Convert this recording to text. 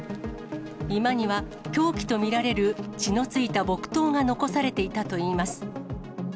居間には凶器と見られる血のついた木刀が残されていたといいます。